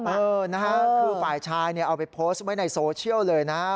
คือฝ่ายชายเอาไปโพสต์ไว้ในโซเชียลเลยนะ